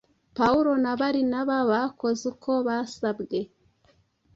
Pawulo na Barinaba bakoze uko basabwe